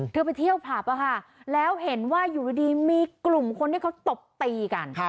ไปเที่ยวผับแล้วเห็นว่าอยู่ดีมีกลุ่มคนที่เขาตบตีกัน